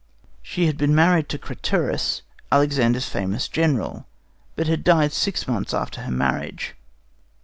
She had been married to Craterus, Alexander's famous General, but had died six months after her marriage.